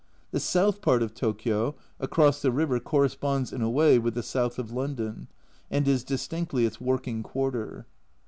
The south part of Tokio, across the river, corresponds in a way with the south of London, and is distinctly its working quarter.